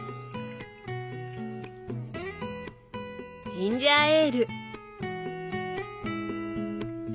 ジンジャーエール！